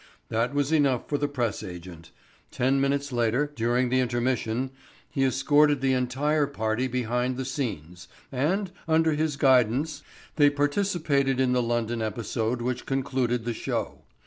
That was enough for the press agent. Ten minutes later, during the intermission, he escorted the entire party behind the scenes, and, under his guidance, they participated in the London episode which concluded the show.